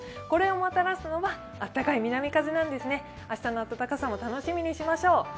これをもたらすのはあったかい南風なんですね、明日の暖かさも楽しみにしましょう。